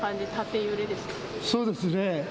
そうですね。